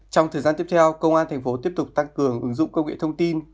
trong thời gian tiếp theo công an thành phố tiếp tục tăng cường ứng dụng công nghệ thông tin